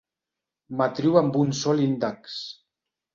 Matriu amb un sol índex.